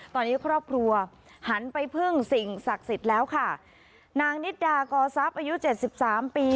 ตอนนี้ครอบครัวหันไปพึ่งสิ่งศักดิ์สิทธิ์แล้วค่ะนางนิดดากอทรัพย์อายุเจ็ดสิบสามปี